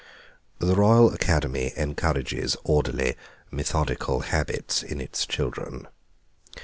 The Royal Academy encourages orderly, methodical habits in its children.